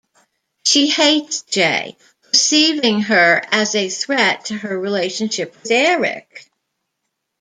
She hates Jaye, perceiving her as a threat to her relationship with Eric.